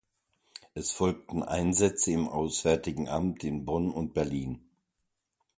Es folgten Einsätze im Auswärtigen Amt in Bonn und Berlin.